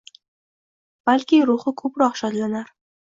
Balki ruhi koʼproq shodlanar